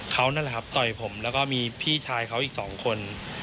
เขานั่นแหละครับต่อยผมแล้วก็มีพี่ชายเขาอีกสองคน